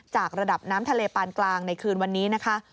ระดับน้ำทะเลปานกลางในคืนวันนี้นะคะ